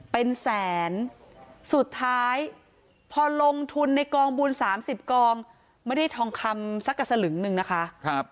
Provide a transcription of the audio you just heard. เป็นแสนสุดท้ายพอลงทุนในกองบุญ๓๐กองไม่ได้ทองคำสักกับสลึงหนึ่งนะคะ